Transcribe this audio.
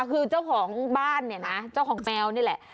คือเจ้าของบ้านเนี่ยนะเจ้าของแมวนี่แหละ